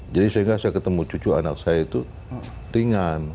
jadi sehingga saya ketemu cucu anak saya itu ringan